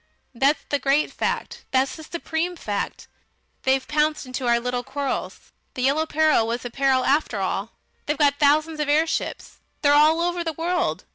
That's the great fact. That's the supreme fact. They've pounced into our little quarrels.... The Yellow Peril was a peril after all! They've got thousands of airships. They're all over the world.